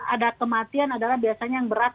ada kematian adalah biasanya yang berat